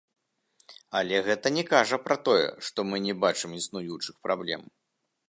Але гэта не кажа пра тое, што мы не бачым існуючых праблем.